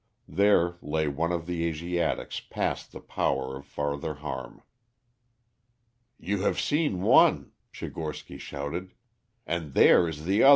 There lay one of the Asiatics past the power of further harm. "You have seen one," Tchigorsky shouted, "and there is the other."